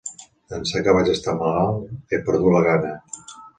D'ençà que vaig estar malalt, he perdut la gana.